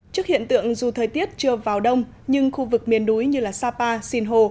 trước hiện tượng dù thời tiết chưa vào đông nhưng khu vực miền núi như sapa sinh hồ